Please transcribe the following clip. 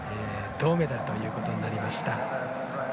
銅メダルということになりました。